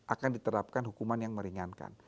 akan diterapkan hukuman yang meringankan